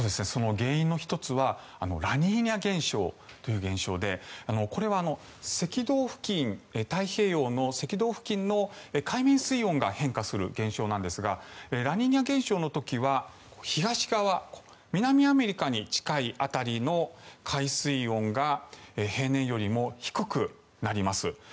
その原因の１つはラニーニャ現象という現象でこれは、太平洋の赤道付近の海面水温が変化する現象なんですがラニーニャ現象の時は東側、南アメリカに近い辺りの海水温が平年よりも低くなります。